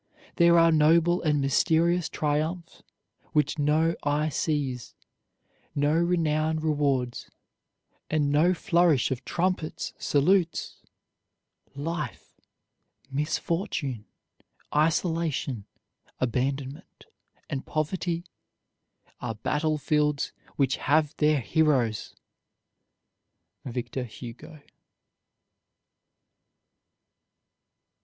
There are noble and mysterious triumphs which no eye sees, no renown rewards, and no flourish of trumpets salutes. Life, misfortune, isolation, abandonment, and poverty are battlefields which have their heroes. VICTOR HUGO.